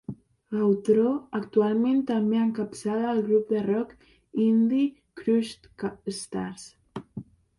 Gautreau actualment també encapçala el grup de rock indie Crushed Stars.